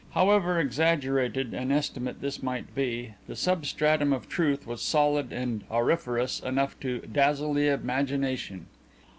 However exaggerated an estimate this might be, the substratum of truth was solid and auriferous enough to dazzle the imagination.